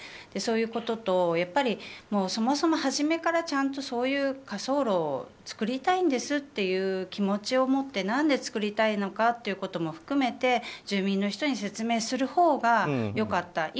そういうことと、やっぱりそもそも初めからそういう火葬炉を作りたいんですという気持ちをもって何で作りたいのかっていうことも含めて住民の人に説明するほうが良かった。